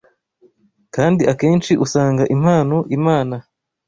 kandi akenshi usanga impano Imana